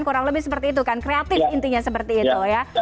kurang lebih seperti itu kan kreatif intinya seperti itu ya